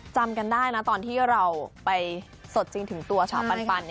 จำกันได้นะตอนที่เราไปสดจริงถึงตัวสาวปัน